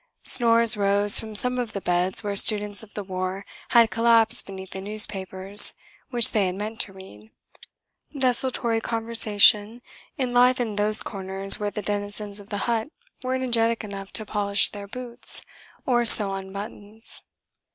Snores rose from some of the beds where students of the war had collapsed beneath the newspapers which they had meant to read. Desultory conversation enlivened those corners where the denizens of the hut were energetic enough to polish their boots or sew on buttons.